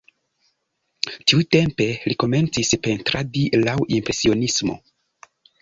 Tiutempe li komencis pentradi laŭ impresionismo.